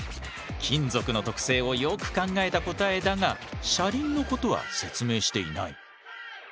金属の特性をよく考えた答えだが車輪のことは説明していない。